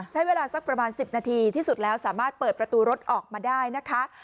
ใช้เวลาสักประมาณ๑๐นาทีที่สุดแล้วสามารถเปิดประตูรถออกมาได้นะคะ